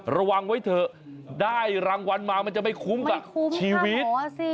ระวังไว้เถอะได้รางวัลมามันจะไม่คุ้มกับชีวิต